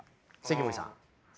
関森さん。